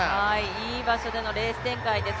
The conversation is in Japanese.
いい場所でのレース展開です。